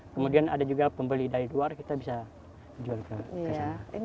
kemudian ada juga pembeli dari luar kita bisa jual ke sana